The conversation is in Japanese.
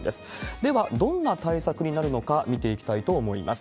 ではどんな対策になるのか見ていきたいと思います。